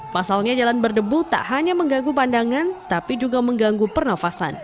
pasalnya jalan berdebu tak hanya mengganggu pandangan tapi juga mengganggu pernafasan